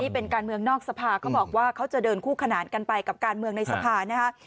เป็นการเมืองนอกสภาเขาบอกว่าเขาจะเดินคู่ขนานกันไปกับการเมืองในสภานะฮะ